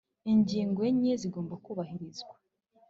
ingingo enye zigomba kubahirizwa